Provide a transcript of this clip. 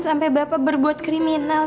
sampai bapak berbuat kriminal